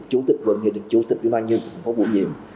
chủ tịch quận thì được chủ tịch vị ban dân phố bổ nhiệm